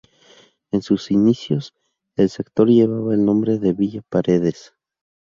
En sus inicios, el sector llevaba el nombre de Villa Paredes.